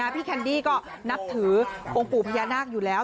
แคนดี้ก็นับถือองค์ปู่พญานาคอยู่แล้ว